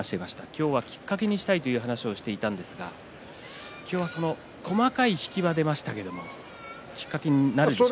今日をきっかけにしたいという話をしていたんですが今日は細かい引きは出ましたけれどもきっかけになるでしょうか。